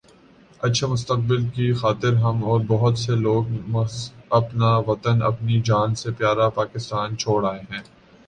اچھے مستقبل کی خاطر ہم اور بہت سے لوگ محض اپنا وطن اپنی جان سے پیا را پاکستان چھوڑ آئے ہیں